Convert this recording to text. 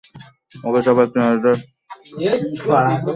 ওকে, সবাই একটু নিজেদের গোছান, ওকে?